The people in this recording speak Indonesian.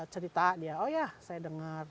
cerita dia oh ya saya dengar